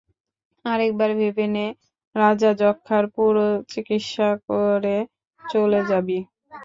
আরেকবার ভেবে নে রাজা, যক্ষার পুরো চিকিৎসা করে চলে যাবি।